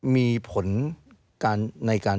มีผลในการ